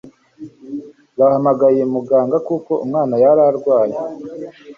bahamagaye muganga kuko umwana yari arwaye